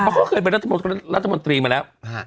เพราะเขาเคยเป็นรัฐมนตรีมาแล้ว